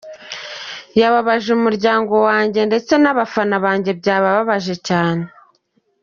Yababaje umuryango wanjye ndetse n’abafana banjye byabababaje cyane.